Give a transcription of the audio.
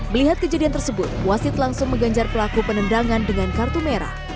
melihat kejadian tersebut wasit langsung mengganjar pelaku penendangan dengan kartu merah